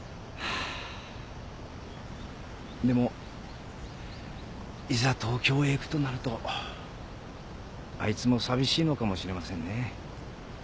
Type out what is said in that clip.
でもいざ東京へ行くとなるとあいつも寂しいのかもしれませんねえ。